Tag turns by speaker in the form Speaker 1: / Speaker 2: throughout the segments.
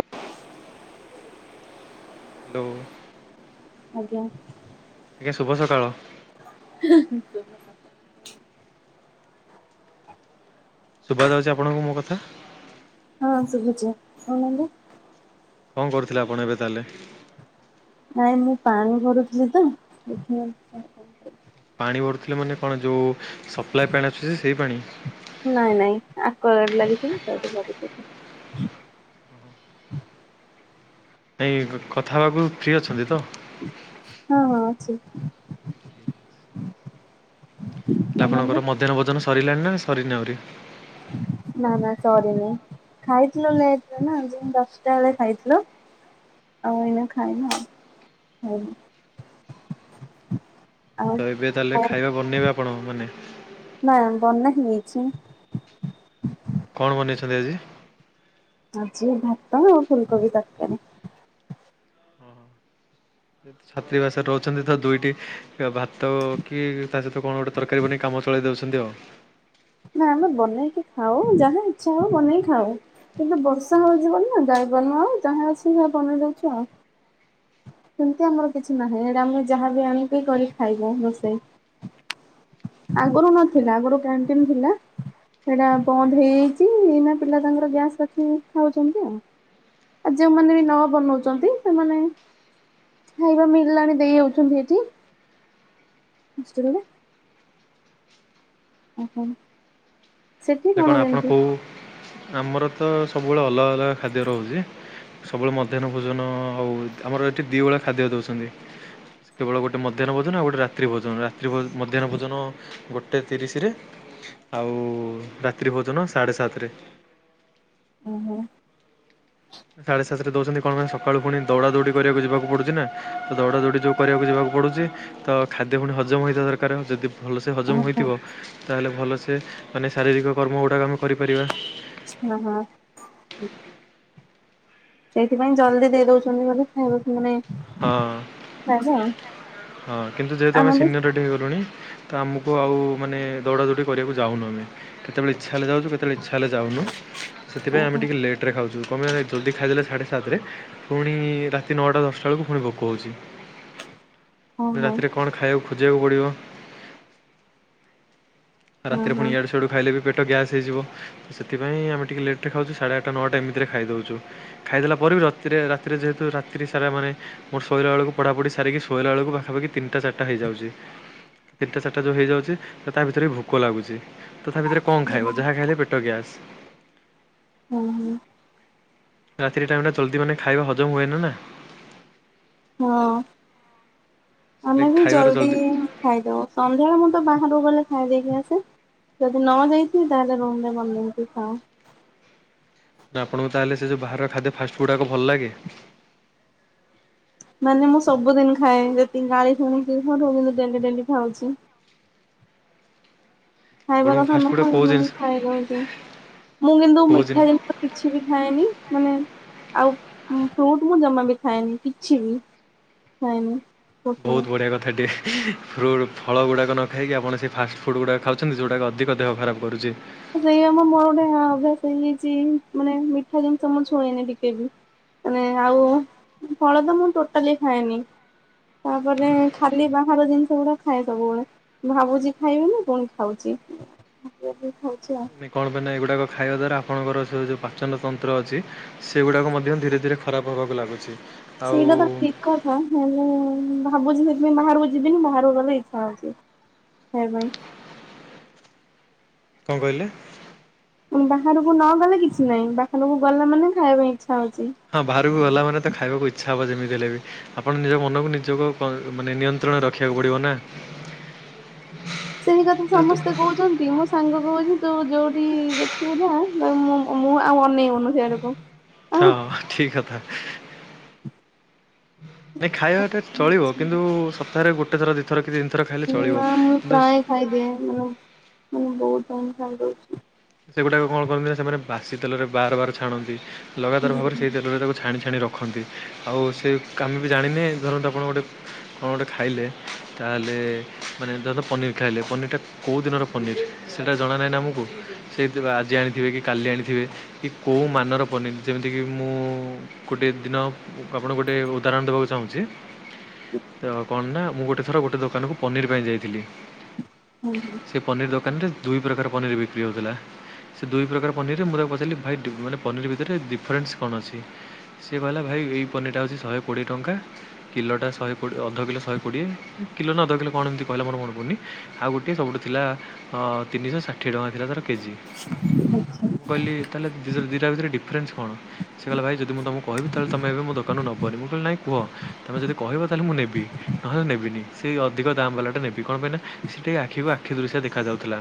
Speaker 1: ଅ ହାଲୋ।
Speaker 2: ଆଜ୍ଞା।
Speaker 1: ଜ୍ଞା ଶୁଭ ସକାଳ।
Speaker 2: ହିଁ ହିଁ ହିଁ।
Speaker 1: ଶୁବା ଯାଉଚି ଆପଣଙ୍କୁ ମୋ କଥା?
Speaker 2: ହଁ ଶୁଭୁଚି କରୁନାହାନ୍ତି।
Speaker 1: କଁ କରୁଥିଲେ ଆପଣ ଏବେ ତାଲେ?
Speaker 2: ନାଇ ମୁଁ ପାଣି ଭରୁଥିଲି ତ।
Speaker 1: ପାଣି ଭରୁୁଥିଲେ ମାନେ କଣ ଯୋଉ ସପ୍ଲାଏ ପାଣି ଆସୁଚି ସେଇ ପାଣି।
Speaker 2: ନାଇଁ ନାଇଁ ଆକ୍ୱାଗାର୍ଡ ଲାଗିଚି ନା ତା ଦେହରୁ ଭରିଦଉ ଥିଲି।
Speaker 1: ଏଇଁ କଥା ହବାକୁ ଫ୍ରି ଅଛନ୍ତି ତ?
Speaker 2: ଶୁବ୍
Speaker 1: ହେଲେ ଆପଣଙ୍କର ମଧ୍ୟାହ୍ନ ଭୋଜନ ସରିଲାଣି ନା ସରିନି ଆହୁରି।
Speaker 2: ନା ନା ସରିନି। ଖାଇଥିଲୁ ଲେଟ୍ ରେ ନା ଦିନ ଦଶଟା ବେଳେ ଖାଇଥିଲୁ। ଆଉ ଏଇନା ଖାଇ ନା ହ
Speaker 1: ତ ଏବେ ତାହେଲେ ଖାଇବା ବନେଇବେ ଆପଣ ମାନେ
Speaker 2: ଆଉ ହେଇଛି।
Speaker 1: କଣ ବନେଇଚନ୍ତି ଆଜି?
Speaker 2: ଆଜିି ଭାତ ଆଉ ଫୁଲକୋବି ତରକାରୀ।
Speaker 1: ଓହୋ ଯ ଛାତ୍ରୀ ବାସରେ ରହୁଚନ୍ତି ତ ଦୁଇଟି ଭାତ କି ତା ସହିତ କଣ ଗୋଟେ ତରକାରୀ ବନେଇକି କାମ ଚଳେଇ ଦଉଚନ୍ତି ଆଉ।
Speaker 2: ନା ଆମେ ବନେଇକି ଖାଉ ଯାହା ଇଚଛା ହଉ ବନେଇ ଖାଉ। କିନ୍ତୁ ବର୍ଷା ହଉଚି ବୋଲି ନା ଯାଇପାରୁନୁ ଆଉ ଯାହାଁ ଅଛି ସେ ବନେଇ ଦଉଛୁ ଆଉ। ସେମତି ଆମର କିଛି ନାହିଁ ଏଟା ଆମେ ଯାହାବି ଆଣିକି କରିକି ଖାଇବୁ ରୋଷେଇ।
Speaker 1: [inaudible]
Speaker 2: ଆଗରୁ ନଥିଲା ଆଗରୁ କ୍ୟାଣ୍ଟିନ ଥିଲା। ସେଇଟା ବନ୍ଦ ହେଇଯାଇଚି ଏଇନା ପିଲା ତାଙ୍କର ଗ୍ୟାସ୍ ରଖି ଖାଉଚନ୍ତି ଆଉ। ଆଉ ଯୋଉମାନେ ବି ନ ବନଉଚନ୍ତି ସେମାନେ ହୋଇବା ମଳିଲାଣି ଦେଇ ଯାଉଚନ୍ତି ଏଠି। ହଷ୍ଟେଲ ରେ ଅ ହୋ।
Speaker 1: ଯେ କଣ ଆପଣ କହୁ ଆମର ତ ସବୁବେଳେ ଅଲଗା ଅଲଗା ଖାଦ୍ୟ ରହୁଚି। ସବୁବେଳେ ମଧ୍ୟାହ୍ନ ଭୋଜନ ଆଉ ଆମର ଏଠି ଦୁଇ ଭଳିଆ ଖାଦ୍ୟ ଦଉଚନ୍ତି। କେବଳ ଗୋଟେ ମଧ୍ୟାହ୍ନ ଭୋଜନ ଆଉ ଗୋଟେ ରାତ୍ରି ଭୋଜନ ରାତ୍ରି ମଧ୍ୟାହ୍ନ ଭୋଜନ ଗୋଟେ ତିରିଶରେ। ଆଉ ରାତ୍ରି ଭୋଜନ ସାଢ଼େ ସାତରେ।
Speaker 2: ଓ ହୋ।
Speaker 1: ସାଢେ ସାତ ରେ ଦଉଚନ୍ତି କଣ ମାନ ସକାଳୁ ପୁଣି ଦୌଡା ଦୌଡି କରିବାକୁ ଯିବାକୁ ପଡୁଚି ନା ତ ଦୌଡା ଦୌଡି ଯୋଉ କରିବାକୁ ଯିବାକୁ ପଡୁଚି ତ ଖାଦ୍ୟ ପୁଣି ହଜମ ହୋଇଥିବା ଦରକାର ଯଦି ଭଲ ସେ ହଜମ
Speaker 2: ଓହୋ
Speaker 1: ହୋଇଥିବ ତାହାନେ ଭଲ ସେ ମାନେ ଶାରୀରିକ କର୍ମ ଗୁଡ଼ାକ ଆମେ କରିପାରିବା।
Speaker 2: ହଁ ହ। ସେଇଥିପାଇଁ ଜଲଦି ଦେଇ ଦଉଛନ୍ତି ବୋଲି ଖାଇବାକୁ ମାନେ
Speaker 1: ହଁ ହଁ କିନ୍ତୁ ଯେହେତୁ ଆମେ ସିନିୟର ଏଠି ହେଇଗଲୁଣି ତ ଆମକୁ ଆଉ ମାନେ ଦୌଡ଼ା ଦୌଡ଼ି କରିବାକୁ ଯାଉନୁ ଆମେ କେତେବେଳେ ଇଚଛା ହେଲେ ଯାଉଚୁ କେତେବେଳେ ହେଲେ ଯାଉନୁ ସେଥିପାଇଁ ଆମେ
Speaker 2: ଓହୋ
Speaker 1: ଟିକେ ଲେଟ୍ ରେ ଖାଉଚୂ। କମ୍ ପାଇଁ ନା ଜଲଦି ଖାଇଦେଲେ ସାଢ଼େ ସାତରେ ପୁଣି ରାତି ନଅଟା ଦଶଟା ଳକୁ ପୁଣି ଭୋକ ହଉଚି
Speaker 2: ଓହୋ
Speaker 1: ରାତିରେ କଣ ଖାଇବାକୁ ଖୋଜିବାକୁ ପଡ଼ିବ।
Speaker 2: ହଁ
Speaker 1: ରାତିରେ ପୁଣି
Speaker 2: ହଁ
Speaker 1: ଆଡ଼ୁ ସିଆଡ଼ୁ ଖାଇଲେ ବି ପେଟ ଗ୍ୟାସ୍ ହେଇଯିବ। ସେଥିପାଇଁ ଆମେ ଟିକେ ଲେଟରେ ଖାଉଚୁ ସାଢେ ଆଠଟା ନଅଟା ଏମିତିରେ ଖାଇଦଉଚୁ ଖାଇଦେଲା ପରେ ବି ରାତିରେ ଯେହେତୁ ରାତି ସାରା ମାନେ ମୋର ଶୋଇଲା ବେକୁ ପଢା ପଢି ସାରିକି ଶୋଇଲା ବେଳକୁ ପାଖାପଖି ତିନିଟ ଚାରିଟା ହେଇଯାଉଚି। ତିନଟା ଚାରିଟା ଯଉ ହେଇଯାଉଚି ତା ଭିତରେ ଭୋ କ ଲାଗୁଚି ତଥା ଭିତରେ କଣ ଖାଇବ ଯାହା ଖାଇଲେ ପେଟ ଗ୍ୟାସ।
Speaker 2: ହୁଁ ହୁଁ।
Speaker 1: ରାତିରେ ଟାଇମ ଟା ଜଲଦି ମାନେ ଖାଇବା ହଜମ ହୁଏ ନା ନା?
Speaker 2: ହଁ।
Speaker 1: ସେଥିଲାଗି
Speaker 2: ଆମେ ବି
Speaker 1: ଖାଇବାର
Speaker 2: ଜଲଦି
Speaker 1: ଜଲ୍ଦି
Speaker 2: ଖାଇଦବ ସନ୍ଧ୍ୟାବେଳେ ମୁଁ ତ ବାହାରକୁ ଗଲେ ଖାଈ ଦେଇ କି ଆସ ଯଦି ନ ଯାଇଥିଲ ତାହଲେ ରୁମରେ ବନେଇକି ଖାଉ।
Speaker 1: ନା ଆପଣଙ୍କୁ ତାହେଲେ ସେ ଯେଉଁ ବାହାରର ଖାଦ୍ୟ ଫାଷ୍ଟଫୁଡ଼ ଗୁଡ଼ାକ ଭଲ ଲାଗେ?
Speaker 2: ମାନେ ମୁଁ ସବୁଦିନ ଖାଏ ଯତିି ଗାଳି ଶୁଣିକିୁ ଡେଲି ଡେଲି ଖାଉଚି। ଖାଇବା
Speaker 1: ଆପଣଙ୍କୁ
Speaker 2: କଥା
Speaker 1: ଫାଷ୍ଟଫୁଡ଼୍ କୋଉ
Speaker 2: ନୁହ,
Speaker 1: ଜିନିଷ
Speaker 2: ଖାଇଲଦଉଛି। ମୁଁ କିନ୍ତୁ
Speaker 1: କୋଉ ଜିନି
Speaker 2: ମିଠା ଜିନିଷ କିଛି ବି ଖାଏନି। ମାନେ ଆଉ ଫ୍ରୁଟ ମୁଁ ଜମା ବି ଖାଏନି କିଛି ବି ଖାଏନି। ଫ୍ରୁଟ ଗୁଡା।
Speaker 1: ବହୁତ ବଢ଼ିଆ କଥା ଟେ ଫ୍ରୁଟ୍ ଫଳ ଗୁଡ଼ାକ ନ ଖାଇକି ଆପଣ ସେଇ ଫାଷ୍ଟଫୁଡ଼୍ ଗୁଡ଼ାକ ଖାଉଚନ୍ତି ଯେଉଟାକ ଅଧିକ ଦେହ ଖରାପ କରୁଚି।
Speaker 2: ସେଇଆ ମ ମୋର ଗୋଟେ ଅଭ୍ୟାସ ହେଇଯାଇଚି, ମାନେ ମିଠା ଜିନିଷ ମୁଁ ଛୁଇଁନି ଟିକେ ବି। ମାନେ ଆଉ ଫଳ ତ ମୁଁ ଟୋଟାଲି ଖାଏନି। ତାପରେ ଖାଲି ବାହାର ଜିନିଷ ଗୁଡା ଖାଏ ସବୁବେଳେ ଭାବୁଚି ଖାଇବିନି ପୁଣି ଖାଉଚି। [unintelligible]
Speaker 1: କଣ ପାଇଁ ନା ଏଗୁଡ଼ାକ ଖାଇବା ଦ୍ୱାରା ଆପଣଙ୍କର ସେ ଯଉଁ ପାଚନ ତନ୍ତ୍ର ଅଛି ସେଗୁଡ଼ାକ ମଧ୍ୟ ଧୀରେ ଧୀରେ ଖରାପ ହେବାକୁ ଲାଗୁଚି।
Speaker 2: ସେଇଟା ତ ଠିକ କଥା, ହେଲେ ଭାବୁଚି ସେଥିପାଇଁ ବାହାରକୁ ଯିବିନି ବାହାରକୁ ଗଲେ ଇଚ୍ଛା ହଉଚି ସେଇ ପାଇଁ।
Speaker 1: କଣ କହିଲେ?
Speaker 2: ବାହାରକୁ ନ ଗଲେ କିଛି ନାହିଁ ବାହାରକୁ ଗଲା ମାନେ ଖାଇବା ପାଇଁ ଇ
Speaker 1: ହଁ ବାହାରକୁ ଗଲା ମାନେ ତ ଖାଇବାକୁ ଇଛା ପଣ ଯେମିତି ହେଲେ ବି ଆପଣ ନିଜ ମନକୁ ନିଜକୁ କ ମାନେ ନିୟନ୍ତ୍ରଣରେ ରଖିବାକୁ ପଡ଼ିବ ନା। [inaudible]
Speaker 2: ସେଇ କଥା
Speaker 1: ଯେହେତୁ
Speaker 2: ସମସ୍ତେ କହୁଚନ୍ତି ମୋ ସାଙ୍ଗ କହୁଚି ତୁ ଯୋଉଠି ଦେଖିବୁ ତା ମୁଁ ମୁଁ ଆଉ ଅନେଇ ବୁନୁ ସିଆଡକୁ ଆଉ।
Speaker 1: ହଁ ଠିକ୍ ନା ଖାଇବାଟା ଚଳିବ କିନ୍ତୁ ସପ୍ତାହରେ ଗୋଟେ ଥର ଦିଇଥର କି ତିନ
Speaker 2: ନା ମୁଁ ପ୍ରାୟ ଖାଇଦିଏ ମ ମାନେ ବହୁତ [unintelligible] ଦଉଚି।
Speaker 1: ସେଗୁଡ଼ାକ କଣ କରନ୍ତି ନା ସେମାନେ ବାସି ତେଲରେ ବାର ବାର ଛାଣନ୍ତି ଲଗାତାର ଭାବରେ ସେଇ ତେଲରେ ତାକୁ ଛାଣି ଛାଣି ରଖ ରଖନ୍ତି ଆଉ ସେ କା ଆମେ ବି ଜାଣିନେ ଧରନ୍ତୁ ଆପଣ ଗୋଟେ କଣ ଗୋଟେ ଖାଇଲେ ତାହେଲେ ମାନେ ଯେତ ପନିର୍ ଖାଇଲେ ପନିରଟା କଉଁ ଦିନର ପନିର୍ ସେଇଟା ଜଣା ନାହିଁ ନା ଆମକୁ ସେ କେବେ ଆଜି ଆଣିଥିବେ କି କାଲି ଆଣିଥିବେ କି କେଉଁ ମାନର ପନିର ଯେମିତିକି ମୁଁ ଗୋଟେ ସେ ଦିନ ଆପଣଙ୍କୁ ଗୋଟଏ ଉଦାହରଣ ଦବାକୁ ଚାହୁଁଚି। ନା କଣ ନା ମୁଁ ଗୋଟେ ଥର ଗୋଟେ ଦୋକାନକୁ ପନିର ପାଇଁ ଯାଇଥିଲି। ସେ ପନିର ଦୋକାନରେ ଦୁଇ ପ୍ରକାର ପନିର ବିକ୍ରି ହଉଥିଲା। ସେ ଦୁଇ ପ୍ରକାର ପନିରରେ ମୁଁ ତାକୁ ପଚାରିଲି ଭାଇ ମାନେ ପନିର ଭିତରେ ଡିଫରେନ୍ସ କଣ ଅଛି? ସିଏ କହିଲା ଭାଇ ଏଇ ପନିରଟା ହେଉଚି ଶହେ କୋଡ଼ିଏ ଟଙ୍କା କିଲୋଟା ଶହେ ଅଧ କିଲୋ ଶହେ କୋଡ଼ିଏ। କିଲୋ ନା ଅଧ କିଲୋ କଣ ଏମିତି କହିଲା ମୋର ମନେ ପଡ଼ୁନି ଆଉ ଗୋଟିଏ ସବୁଠୁ ଥିଲା ତିନିଶହ ଷାଠିଏ ଟଙ୍କାଥିଲା ତା ତାର କେଜି। ମୁଁ କହିଲି ତାହେଲେ ଦିଟ ଦିଟା ଭିତରେ ଡିଫରେନ୍ସ କଣ, ସେ କହିଲ ଭାଇ ଯଦି ମୁଁ ତମକୁ କିବି ତାହେଲେ ତମେ ଏବେ ମୋ ଦୋକାନରୁ ନବନି ମୁଁ କହିଲି ନାଇ କୁହ ତମେ ଯଦି କହିଁ ତାହେଲେ ମୁଁ ନେବି ନହେଲେ ମୁଁ ନେବିନି। ସେ ଅଧିକ ଦା ବାଲା ଟା ନେବି କଣ ପାଇଁ ନା ସେ ଟିକେ ଆଖିକୁ ଆଖି ଦୃଶ ଦେଖି ଯାଉଥିଲା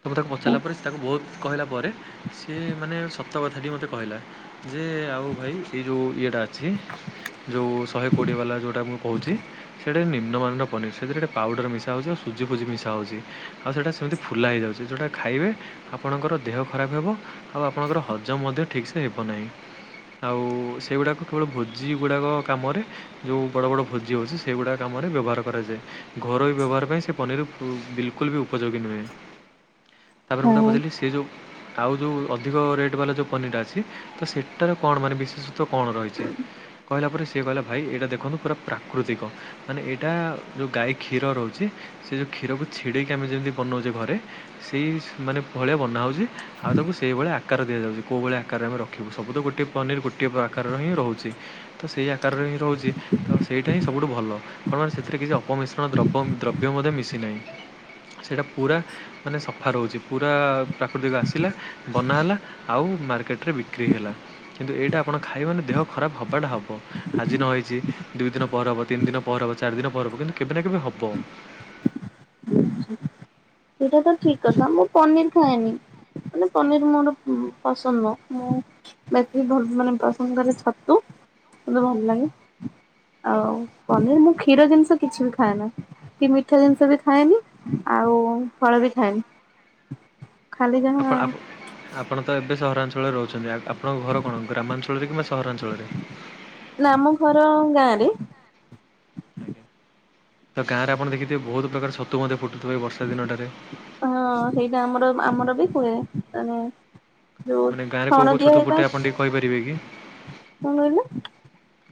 Speaker 1: ତ ମୁ ତାକୁ ପଚାରିଲି ତା ପରେ ସେ ତାକୁ ବହୁତ କହିଲା ପରେ ସିଏ ମାନେ ସତ କଥାଟି ମୋତେ କହିଲା ଯେ ଆଉ ଭାଇ ଏଇ ଯୋଉ ଇଏଟା ଅଛି ଯେଉଁ ଶେ କୋଡିଏ ବାଲା ଯଉଁଟା ମୁ କହୁଚି ସେଇଟା ନିମ୍ନମାନର ପନିର୍ ସେଥିରେ ଗୋଟେ ପାଉଡ଼ର ମିଶା ହଉଚି ଆଉ ସୁଜି ଫୁଜି ମିଶା ହଉଚି ଆଉ ସେଇଟା ସେମତି ଫୁଲା ହେଇ ଥାଉଛି ଯଉଁଟା ଖାଇବେ ଆପଣଙ୍କର ଦେହ ଖରାପ ହେବ ଆଉ ଆପଣଙ୍କର ହଜମ ମଧ୍ୟ ଠିକ୍ସ ହେବ ନାହିଁ। ଆଉ ସେଗୁଡ଼ାକ କେବଳ ଭୋଜି ଗୁଡ଼ାକ କାମରେ ଯଉ ବଡ଼ ବଡ଼ ଭୋଜି ହଉଛି ସେଗୁଡ଼ାକ କାମ ମରେ ବ୍ୟବହାର କରାଯାଏ ଘରୋଇ ବ୍ୟବହାର ପାଇଁ ସେ ପନିର ବିଲକୁଲ ବି ଉପଯୋଗୀ ନୁହେଁ। ତାପରେ ମୁଁଟା
Speaker 2: ହଁ
Speaker 1: ପଚାରିଲି ସେ ଯଉ ଆଉ ଯେଉଁ ଅଧିକ ରେଟ୍ ବାଲା ଯଉଁ ପନିରଟା ଅଛି ତ ସେଇଟାର କଣ ମାନେ ବିଶେଷତ୍ୱ କଣ ରହିଚି? କହିଲା ପରେ ସିଏ କହିଲା ଭାଇ ଏଇଟା ଦେଖନ୍ତୁ ପୁରା ପ୍ରାକୃତିକ ମାନେ ଏଇଟା ଯୋଉ ଗାଈ କ୍ଷୀର ରହୁଚି ସେ ଯଉ କ୍ଷୀରକୁ ଛିଡେଇକି ଆମେ ଯେମିତି ବନାଉଚେ ଘରେ ସେଇ ମାନେ ଭଳିଆ ବନା ହଉଚି ଆଉ ତାକୁ ସେହିଭଳିଆ ଆ ଆକାର ଦିଆଯାଉଚି କଉଁ ଭଳିଆ ଆକାରରେ ଆମେ ରଖିବୁ ସବୁ ତ ଗୋଟିଏ ପନିର ଗୋଟିଏ ଆକାରର ହିଁ ରହୁଚି ତ ସେଇ ଆକାରରେ ରହୁଚି ତ ସେଇଟା ହିଁ ସବୁଠୁ ଭଲ କଣ ପାଇଁ ସେଥିରେ କିଛି ଅପମିଶ୍ରଣ ଦ୍ରବ୍ୟ ଦ୍ରବ୍ୟ ମଧ୍ୟ ମିଶିନାହିଁ। ସେଇଟା ପୁରା ମାନେ ସଫା ରହୁଚି। ପୁରା ପ୍ରାକୃତିକ ଆସିଲା ବନା ହେଲା ଆଉ ମାର୍କେଟରେ ବିକ୍ରି ହେଲା। କିନ୍ତୁ ଏଇଟା ଆପଣ ଖାଇ ମାନେ ଦେହ ଖରାପ ହେବାଟା ହେବ ଆଜି ନ ହେଇଚି ଦୁଇ ଦିନ ପରେ ହେବ ତିନିି ଦିନ ପରେ ହେବ ଚାରି ଦିନ ପରେ ହେବ କିନ୍ତୁ କେବେ ନା କେବେ ହବ।
Speaker 2: ସେଇଟା ତ ଠିକ କଥା ମୁଁ ପନିର ଖାଏନି ମାନେ ପନିର ମୋର ପସନ୍ଦ ନୁହ। ମୁଁ ବାକି ବ ମାନେ ପସନ୍ଦ କରେ ଛତୁ। ମୋତେ ଭଲ ଲାଗେ ଆଉ ପନିର ମୁଁ କ୍ଷୀର ଜିନିଷ କିଛି ବି ଖାଏ ନା। କି ମିଠା ଜିନିଷ ବି ଖାଏନି ଆଉ ଫଳ ବି ଖାଏନି। ଖାଲି
Speaker 1: ଆ
Speaker 2: ଯାହା
Speaker 1: ଆପ ଆପଣ ତ ଏବେ ସହରାଞ୍ଚଳରେ ରହୁଚନ୍ତି ଆପଣଙ୍କ ଘର କଣ ଗ୍ରାମାଞ୍ଚଳ ରେ କିମ୍ବା ସ ସହରାଞ୍ଚଳରେ?
Speaker 2: ନା ଆମ ଘର ଗାଁରେ।
Speaker 1: ଆଜ୍ଞା ତ ଗାଁରେ ଆପଣ ଦେଖିଥିବେ ବହୁତ ପ୍ରକାର ଛତୁ ମଧ୍ୟ ଫୁଟୁଥିବ ଏଇ ବର୍ଷା ଦିନଟାରେ
Speaker 2: ହଁ ସେଇଟା ଆମର ଆମର ବି କୁହେ ମାନେ ଯୋଉ
Speaker 1: ମାନେ ଗାଁରେ କୋଉ
Speaker 2: ଛଣ
Speaker 1: କୋଉ
Speaker 2: ଦିଆ
Speaker 1: ଛତୁ
Speaker 2: ହେଇଥାଏ
Speaker 1: ଫୁଟେ ଆପଣ ଟିକେ କହିପାରିବେ କି?
Speaker 2: କଣ କହିଲେ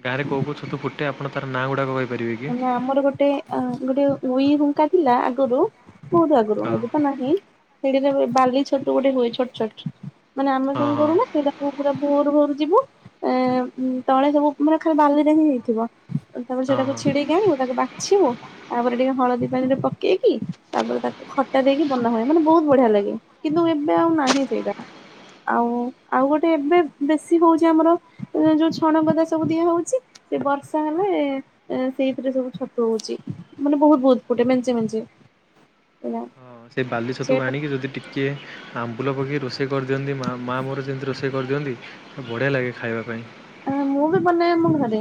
Speaker 1: ଗାଁରେ କହୁ କହୁ ଛତୁ ଫୁଟେ ଆପଣ ତାର ନାଁ ଗୁଡାକ କହି
Speaker 2: ମାନେ ଆମର ଗୋଟେ ଆ ଗୋଟେ ଉଇ ହୁଙ୍କା ଥିଲା ଆଗରୁ। ବହୁତ୍ ଆଗରୁ
Speaker 1: ହଁ
Speaker 2: ଏବେ ତ ନାହିଁ ସେଠିରେ ବାଲି ଛତୁ ଗୋଟେ ହୁଏ ଛୋଟ ଛୋଟ। ମାନେ ଆମେ
Speaker 1: ହଁ
Speaker 2: କଣ
Speaker 1: ହଁ।
Speaker 2: କରୁନା ସେଇଟା ପୁରା ଭୋରୁ ଭୋରୁ ଯିବୁ ଅଁ ତଳେ ସବୁ ମାନେ ଖାଲି ବାଲିରେ ହିଁ ହେଇଥିବ ତାପରେ
Speaker 1: ହଁ
Speaker 2: ସେଟାକୁ
Speaker 1: ହଁ
Speaker 2: ଛିଡେଇକି ଆଣିବୁ ତାକୁ ବାଛିବୁ ତାପରେ ଟିକେ ହଳଦୀ ପାଣିରେ ପକେଇ କି ତାପରେ ତାକୁ ଖଟା ଦେଇକି ବନା ହୁଏ, ମାନେ ବହୁତ ବଢିଆ ଲାଗେ। କିନ୍ତୁ ଏବେ ଆଉ ନାହିଁ ସେଇଟା। ଆଉ ଆଉ ଗୋଟେ ଏବେ ବେଶୀ ହଉଚି ଆମର ଯୋଉ ଛଣପଦା ସବୁ ଦିଆ ହଉଚି। ସେ ବର୍ଷା ହେଲେ ସେଇଥିରେ ସବୁ ଛତୁ ହଉଚି ମାନେ ବହୁତ ବହୁତ ଫୁଟେ ମେଞ୍ଚେ ମେଞ୍ଚେ।
Speaker 1: ହଁ ସେ ବାଲି ଛତୁକୁ
Speaker 2: ସେଇଟା
Speaker 1: ଆଣିକି ଯଦି ଟିକେ ଆମ୍ବୁଲ ପକେଇି ରୋଷେଇ କରିଦିଅନ୍ତି ମା ମାଆ ମୋର ଯେମିତି ରୋଷେଇ କରିଦିଅନ୍ତି ବଢ଼ିଆ ଲାଗେ ଖାଇବା ପାଇଁ।
Speaker 2: ଆ ମୁଁ ବି ବନାଏ ମୋ ଘରେ,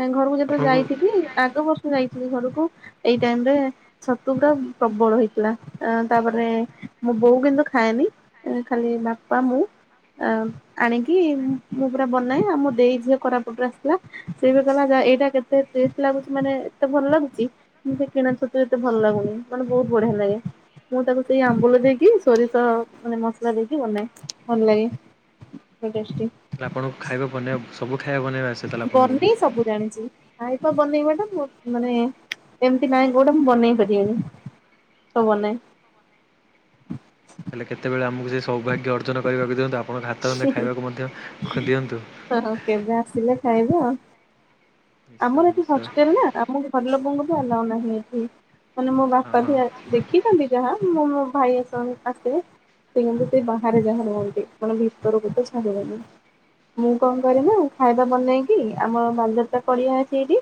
Speaker 2: ଏ ଘରକୁ ଯେତେବେଳେ
Speaker 1: ଆପଣଙ୍କୁ
Speaker 2: ଯାଇଥିଲି ଆଗ ବର୍ଷ ଯାଇ ଘରକୁ ଏଇ ଟାଇମ ରେ ଛତୁ ପୁରା ପ୍ରବଳ ହେଇଥିଲା ତାପରେ ବୋଉ କିନ୍ତୁ ଖାଏନି ଖାଲି ବାପା ମୁଁ। ଆ ଆଣିକି ମୁଁ ପୁରା ବନାଏ ଆଉ ମ ଦେଇ ଝିଅ କୋରାପୁଟରୁ ଆସିଥିଲା ସେ ବି କହିଲା ଆ ଏଇଟା କେତେ ଟେଷ୍ଟ ଲାଗୁଚି ମାନେ ଏତେ ଭଲ ଲାଗୁଚି। ସେମତି କିଣା ଛତୁ ଏତେ ଭଲ ଲାଗୁନି ମାନେ ବହୁତ ବଢିଆ ଲାଗେ। ମୁଁ ତାକୁ ସେଇ ଆମ୍ବୁଲ ଦେଇକି ସୋରିଷ ମାନେ ମସଲା ଦେଇକି ବନାଏ ଭଲ ଲାଗେ। ଟେଷ୍ଟି।
Speaker 1: ତାହେଲେ ଆପଣଙ୍କୁ ଖାଇବା ବନେଇବାକୁ ସବୁ ଖାଇବା ବନେଇବା ଆସେ ତାହେଲେ ଆପଣଙ୍କୁ
Speaker 2: ବନେଇ ସବୁ ଜାଣିଚି। ଖାଇବା ବନେଇବା ଟା ମୁ ମାନେ ଏମିତି ନାହିଁ କୋଉଟା ମୁଁ ବନେଇ ପାରିବିନି। ସବୁ ବନାଏ।
Speaker 1: [inaudible] କେତେବେଳେ ଆମକୁ ସେ ସୌଭାଗ୍ୟ ଅର୍ଜନ କରିବାକୁ ଦିଅନ୍ତୂ ଆପ
Speaker 2: ହଁ ହଁ କେବେ ଆସିଲେ ଖାଇବ।
Speaker 1: ନିଶ୍ଚୟ
Speaker 2: ଆମର ଏଠି
Speaker 1: ନିଶ୍ଚୟ
Speaker 2: ହଷ୍ଟେଲ ନା ଆମ ଘର ଲୋକଙ୍କୁ ବି ଆଲାଉ ନାହିଁ ଏଠି। ମାନେ ମୋ
Speaker 1: ହଁ
Speaker 2: ବାପା ବି
Speaker 1: ହଁ
Speaker 2: ଆ ଦେଖିଚନ୍ତି ଯାହା ମୁଁ ମୋ ଭାଇ ଆସ ଆସିବେ। ସେ କିନ୍ତୁ ସେ ବାହାରେ ଯାହା ରୁହନ୍ତି ମାନେ ଭିତରକୁ ତ ଛାଡିବେନି। ମୁଁ କଣ କରେ ନା ଖାଇବା ବନେଇକି ଆମର ବା ପଡିଆ ଅଛି ସେଇଠି,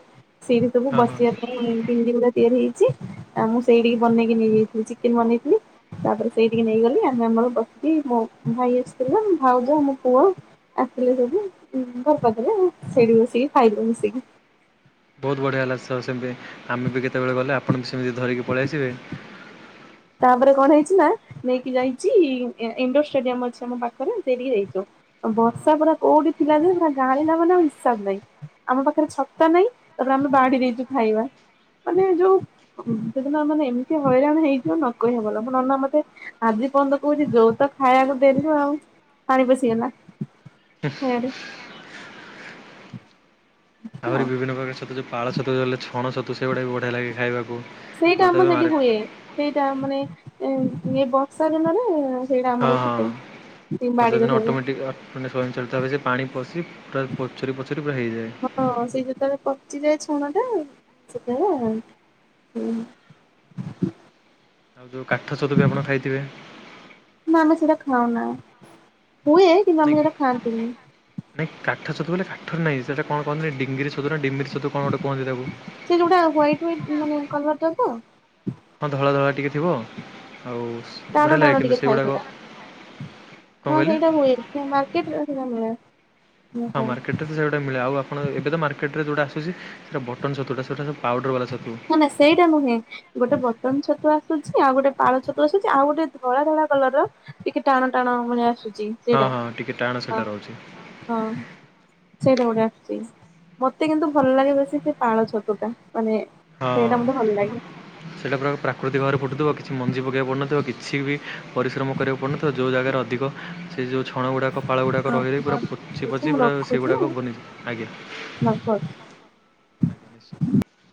Speaker 2: ସେଇଠି ସବୁ
Speaker 1: ହଁ ହଁ
Speaker 2: ବସିବା ପାଇଁ ବିଣ୍ଡି ଗୁଡା ତିଆରି ହେଇଚି। ଆ ମୁଁ ସେଇଠିକି ବନେଇକି ନେଇଯାଇଥିଲି ଚିକେନ ବନେଇଥିଲି। ତାପରେ ସେଇଠିକି ନେଇଗଲି ଆମେ ଆମର ବସିକି ମୋ ଭାଇ ଆସିଥିଲା ଭାଉଜ ମୋ ପୁଅ ଆ ସିଥିଲେ ସବୁ ଉ ଘର୍ ପାଖରେ ଆଉ ସେଇଠି ବସିକି ଖାଇଲୁ ମିସିକି।
Speaker 1: ବହୁତ ବଢିଆ ହେଲା ସହ ସେମତି ଆମେ ବି କେତେବେଳେ ଗଲେ ଆପଣ ବି ସେମତି ଧରିକି ପଳେଇ ଆସିବେ।
Speaker 2: ତାପରେ କଣ ହେଇଚି ନା ନେଇକି ଯାଇଚି ଇ-ଇଣ୍ଡୋର ଷ୍ଟାଡିୟମ ଅଛି ଆମ ପାଖରେ ସେଇଠିକି ଯାଇଚୁ।
Speaker 1: ହଁ ହଁ
Speaker 2: ବର୍ଷା ପରା କୋଉଠି ଥିଲା ଯେ ମ ଗାଳିଲା ମାନେ ଆଉ ହିସାବ ନାହିଁ ଆମ ପାଖରେ ଛତା ନାଇଁ। ତାପରେ ଆମେ ବାଢି ଦେଇଚୁ ଖାଇବା ମାନେ ଯୋଉ ସେଦିନ ମାନେ ଏମିତି ହଇରାଣ ହେଇ [unintelligible] ନ କହିଆ ଭଲ, ମୋ ନନା ମତେ ଆଜି ପର୍ଯ୍ୟନ୍ତ କହୁଛି ଯୋଉ ତ ଖାଇବାକୁ ଦେଲୁ ଆଉ। ପାଣି ପଶିଗଲା।
Speaker 1: ହୁଁ।
Speaker 2: ଖାଇବାରେ
Speaker 1: ଆହୁରି
Speaker 2: ଆଉ
Speaker 1: ବିଭିନ୍ନ ପ୍ରକାର ଛତୁ ଯୋଉ, ପାଳଛତୁ ଲେ ଛଣଛତୁ ସେଗୁଡା ବି ବଢିଆ ଲାଗେ ଖାଇବାକୁ। ଆଉ
Speaker 2: ସେଇଟା ଆମର
Speaker 1: ତେବେ
Speaker 2: ସେଠି
Speaker 1: ମାରେ
Speaker 2: ହୁଏ, ସେଇଟା ମାନେ ଏଇ ବର୍ଷା ଦିନରେ ସେଇଟା
Speaker 1: ହଁ-
Speaker 2: ଆମର ଫୁଟେ
Speaker 1: ହଁ ବର୍ଷା
Speaker 2: ବାଡିରେ
Speaker 1: ଦିନ
Speaker 2: ସବୁ
Speaker 1: ଅଟୋମେଟିକ ମାନେ ତାରେ ଭିତରେ ପାଣି ପଶି ପୁରା ପଚୁରି ପଚୁରୀ ପୁରା
Speaker 2: ହଁ ସେଇ
Speaker 1: ହେଇଯାଏ।
Speaker 2: ଯେତେବେଳେ ପଚିଯାଏ ଛଣ ଟା ସେତେବେଳେ ହୁଁ
Speaker 1: ଆଉ ଯୋଉ କାଠ ଛତୁ ବି ଆପଣ ଖାଇଥିବେ?
Speaker 2: ନା ଆମେ ସେଇଟା ଖାଉନା, ହୁଏ କିନ୍ତୁ
Speaker 1: ନାଇଁ
Speaker 2: ଆମେ ସେଟା ଖାଆନ୍ତିନି।
Speaker 1: ନାଇଁ କାଠ ଛତୁ କହିଲେ କାଠରେ ନାଇ, ସେଟା କଣ କହନ୍ତି ଡିଙ୍ଗିରି ଛତୁ ନା ଡିମିରି ଛତୁ କଣ ଗୋଟେ କୁହନ୍ତି ତାକୁ।
Speaker 2: ସେ ଯୋଉଟା ହ୍ଵାଇଟି ହ୍ଵାଇଟି ମାନେ କଲରଟା ତ?
Speaker 1: ହଁ ଧଳା ଧଳା ଟିକେ ଥିବ, ଆଉ
Speaker 2: ଟାଣ
Speaker 1: ବଢ଼ିଆ
Speaker 2: ଟାଣ
Speaker 1: ଲାଗେ
Speaker 2: ଟିକେ
Speaker 1: କିନ୍ତୁ
Speaker 2: ଥାଏ
Speaker 1: ସେଗୁଡ଼ାକ
Speaker 2: ସେଇଟା
Speaker 1: କଣ
Speaker 2: ହଁ
Speaker 1: କହିଲେ?
Speaker 2: ସେଇଟା ହୁଏ କିନ୍ତୁ ମାର୍କେଟରେ ସେଇଟା ମିଳେ।
Speaker 1: ହଁ
Speaker 2: ଓହୋ
Speaker 1: ମାର୍କେଟରେ ତ ସେଇଗୁଡା ମିଳେ। ଆଉ ଆପଣ ଏବେ ତ ମାର୍କଟରେ ଯୋଉଟା ଆସେ ଛି ସେଇଟା ବଟନ ଛତୁଟା ସେଇଟାର ପାଉଡର ବାଲା ଛ
Speaker 2: ନାଁ - ନାଁ ସେଇଟା ନୁହେଁ। ଗୋଟେ ବଟନ ଛ ଛତୁ ଆସୁଛି, ଆଉ ଗୋଟେ ପାଳ ଛତୁ ଆସୁଛି, ଆଉ ଗୋଟେ ଧଳା ଧଳା କଲର ଟିକେ ଟାଣ ଟାଣ ଭଳିଆ ଆସୁଛି। ସେ
Speaker 1: ହଁ
Speaker 2: ସେଟା
Speaker 1: ହଁ ଟିକେ ଟାଣ ସେଟା
Speaker 2: ହଁ-
Speaker 1: ରହୁଛି
Speaker 2: ହଁ ସେଇଟା ଗୋଟେ। ମତେ କିନ୍ତୁ ଭଲ ଲାଗେ ବେଶି ସେ ପାଳ ଛତୁଟା, ମାନେ
Speaker 1: ହଁ
Speaker 2: ସେଇଟା ମତେ ଭଲ ଲାଗେ।
Speaker 1: ସେଟା ପୁରା ପ୍ରାକୃତିକ ଘରେ ଫୁଟୁଥିବ କିଛି ମଞ୍ଜି କରିବାକୁ ପଡି ନଥିବ କିଛି ବି ପରିଶ୍ରମ କରିବାକୁ ପଡି ନଥିବ, ଯୋଉ ଜାଗାରେ ଅଧିକ ସେ ଯୋଉ ଛଣ ଗୁଡ଼ାକ ପାଳ ଗୁଡ଼ାକ
Speaker 2: ଆଉ
Speaker 1: ରହିିରହି
Speaker 2: କଣ
Speaker 1: ପୁରା
Speaker 2: ଠିକ
Speaker 1: ପଚି
Speaker 2: ଅଛି
Speaker 1: ପଚି
Speaker 2: ମୁଁ
Speaker 1: ପୁରା
Speaker 2: ରଖୁଛି
Speaker 1: ସେଗୁଡ଼ାକ ବନିଛି ଆଜ୍ଞା।
Speaker 2: [unintelligible]
Speaker 1: ଆଜ୍ଞା ନିଶ୍ଚୟ।